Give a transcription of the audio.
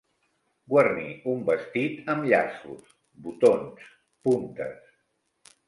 Guarnir un vestit amb llaços, botons, puntes.